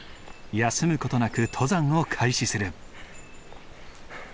休む事なく登山を開始する。